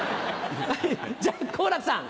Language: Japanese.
じゃあ好楽さん。